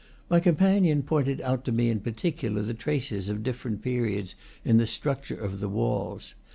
My companion pointed out to me in particular the traces of different periods in the structure of the walls.